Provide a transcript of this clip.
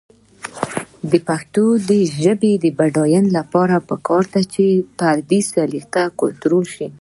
د پښتو ژبې د بډاینې لپاره پکار ده چې فردي سلیقې کنټرول شي.